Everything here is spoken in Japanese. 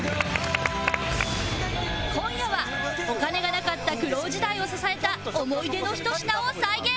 今夜はお金がなかった苦労時代を支えた思い出の一品を再現